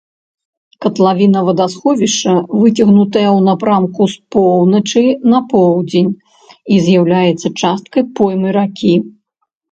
Катлавіна вадасховішча выцягнутая ў напрамку з поўначы на поўдзень і з'яўляецца часткай поймы ракі.